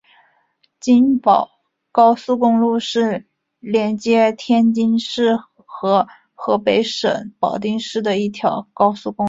津保高速公路是连接天津市和河北省保定市的一条高速公路。